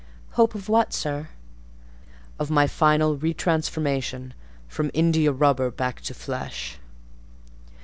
"Hope of what, sir?" "Of my final re transformation from India rubber back to flesh?"